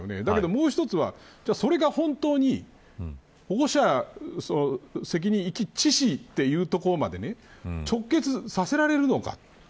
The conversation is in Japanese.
もう１つは、それが本当に保護責任者遺棄致死というところまで直結させられるのか。